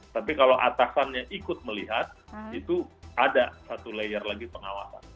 tapi kalau atasannya ikut melihat itu ada satu layer lagi pengawasan